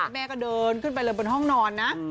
แม่ก็เดินขึ้นไปเลยบนห้องนอนนะ